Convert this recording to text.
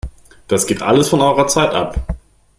Das geht alles von eurer Zeit ab!